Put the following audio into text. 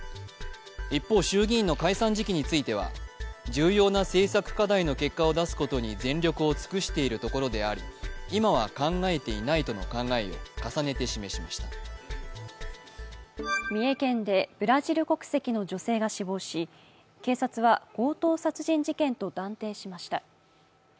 一方、衆議院の解散時期については重要な政策課題の結果を出すことに全力を尽くしているところであり、今は考えていないとの考えを三重県でブラジル国籍の女性が死亡し警察は、強盗殺人事件と断定しました。